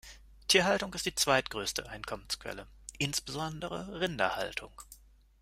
Tierhaltung ist die zweitgrößte Einkommensquelle, insbesondere Rinderhaltung.